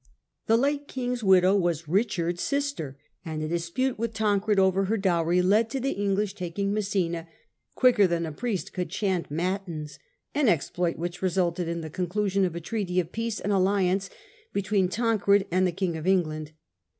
The late king's widow was Eichard's sister, and a dispute with Tancred over her dowry led to the English taking Messina " quicker than a priest could chant matins," an exploit which resulted in the conclusion of a treaty of peace and alliance between Tancred and the King of England.